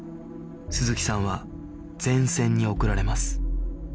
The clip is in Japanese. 鈴木さんは前線に送られます